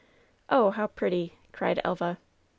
"Oh, how pretty!" cried Elva.